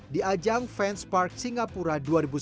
di ajang fans park singapura dua ribu sembilan belas